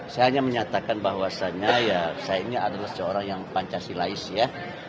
saya hanya menyatakan bahwasannya ya saya ini adalah seorang yang pancasilais ya